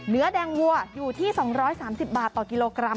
เนื้อแดงวัวอยู่ที่๒๓๐บาทต่อกิโลกรัม